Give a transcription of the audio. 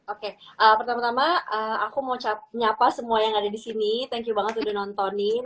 oke pertama tama aku mau nyapa semua yang ada di sini thank you banget udah nontonin